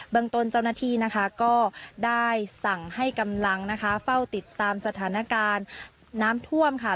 ตนเจ้าหน้าที่นะคะก็ได้สั่งให้กำลังนะคะเฝ้าติดตามสถานการณ์น้ำท่วมค่ะ